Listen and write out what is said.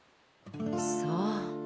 そう。